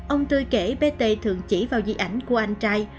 ông tươi kể bé t thường chỉ vào dị ảnh của anh trai